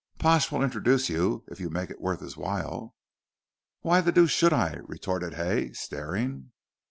"Pash will introduce you if you make it worth his while." "Why the deuce should I," retorted Hay, staring.